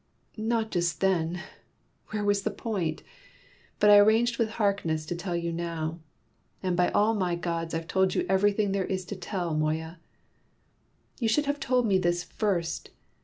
"Not just then. Where was the point? But I arranged with Harkness to tell you now. And by all my gods I've told you everything there is to tell, Moya!" "You should have told me this first.